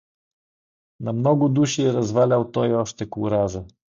На много души е развалял той още куража.